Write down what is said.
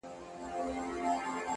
ته به مي سلګۍ سلګۍ کفن په اوښکو وګنډې -